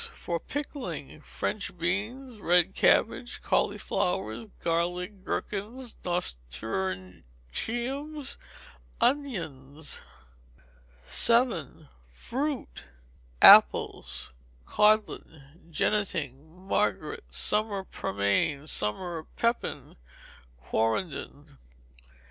For Pickling. French beans, red cabbage, cauliflowers, garlic, gherkins, nasturtiums, onions. vii. Fruit. Apples: Codlin, jennetting, Margaret, summer pearmain, summer pippin, quarrenden.